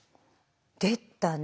出たね。